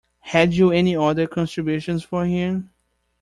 Had you any other contributions for him?